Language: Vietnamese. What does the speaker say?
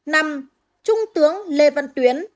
năm trung tướng lê văn tuyến